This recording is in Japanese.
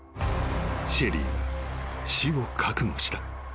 シェリーは死を覚悟した］